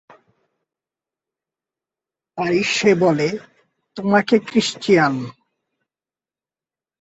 তাই সে বলে -"তোমাকে, ক্রিশ্চিয়ান।"